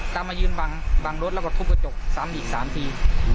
ตามมายืนบังบังรถแล้วก็ทุบกระจก๓ดี๓ที